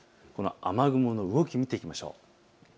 雨雲の動きを見ていきましょう。